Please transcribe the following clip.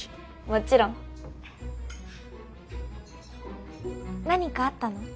もちろん何かあったの？